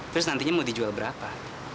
terus nantinya mau dijual berapa